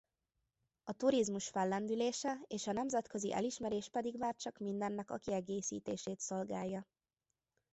A turizmus fellendülése és a nemzetközi elismerés pedig már csak mindennek a kiegészítését szolgálja.